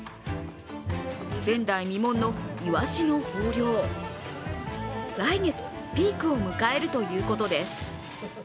前代未聞のイワシの豊漁、来月ピークを迎えるということです。